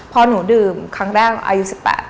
พอหนูดื่มครั้งแรกอายุ๑๘